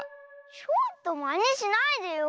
ちょっとまねしないでよ。